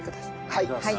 はい。